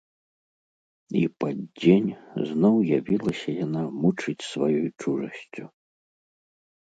І пад дзень зноў явілася яна мучыць сваёй чужасцю.